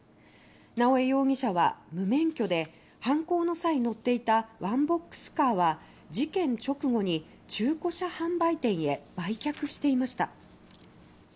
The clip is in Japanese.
直江容疑者は無免許で犯行の際乗っていたワンボックスカーは事件直後に中古車販売店へ売却していました。